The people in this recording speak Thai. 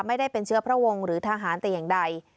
ไม่ได้เป็นเชื้อพระวงศ์หรือทหารแต่อย่างใด